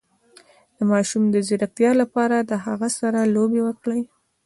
د ماشوم د ځیرکتیا لپاره له هغه سره لوبې وکړئ